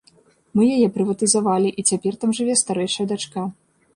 Мы яе прыватызавалі, і цяпер там жыве старэйшая дачка.